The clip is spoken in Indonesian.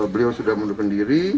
beliau sudah menderpendiri